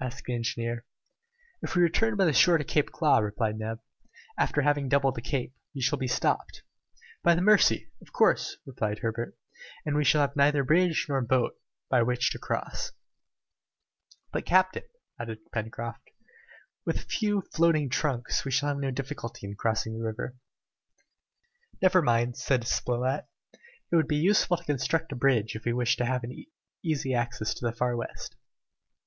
asked the engineer. "If we return by the shore to Claw Cape," replied Neb, "after having doubled the Cape, we shall be stopped " "By the Mercy! of course," replied Herbert, "and we shall have neither bridge nor boat by which to cross." "But, captain," added Pencroft, "with a few floating trunks we shall have no difficulty in crossing the river." "Never mind," said Spilett, "it will be useful to construct a bridge if we wish to have an easy access to the Far West!"